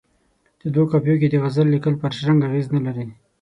په دوو قافیو کې د غزل لیکل پر شرنګ اغېز نه لري.